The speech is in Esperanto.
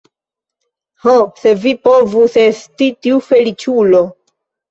Ho, se mi povus esti tiu feliĉulo!